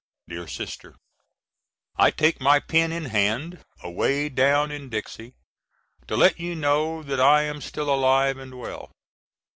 DEAR SISTER: I take my pen in hand "away down in Dixie" to let you know that I am still alive and well.